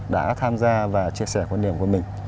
đã tham gia và chia sẻ quan điểm của mình